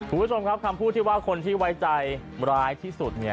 ผู้ชมครับคำพูดว่าคนที่ไว้ใจร้ายที่สุด